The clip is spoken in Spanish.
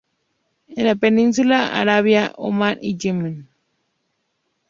En la península arábiga: Omán y Yemen.